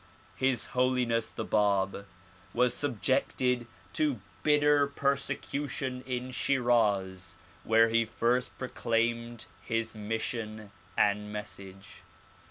His Holiness the Bab was subjected to bitter persecution in Shiraz where he first proclaimed his mission and message.